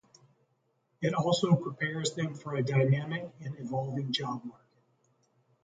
It also prepares them for a dynamic and evolving job market.